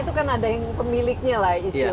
itu kan ada yang pemiliknya lah istilahnya